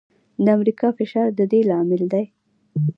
د امریکا فشار د دې لامل دی.